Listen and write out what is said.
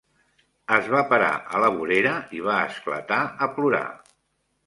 Es va parar a la vorera i va esclatar a plorar.